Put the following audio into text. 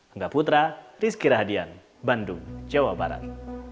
angga putra rizky rahadian bandung jawa barat